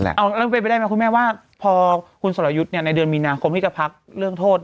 แล้วเป็นไปได้ไหมคุณแม่ว่าพอคุณสรยุทธ์ในเดือนมีนาคมที่จะพักเรื่องโทษ